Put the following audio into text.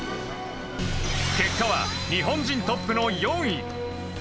結果は、日本人トップの４位。